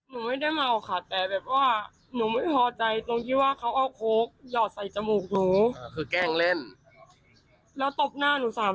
นี่ค่ะตอนที่เธอให้สัมภาษณ์อาการยังไม่ดีขึ้นด้วยนะ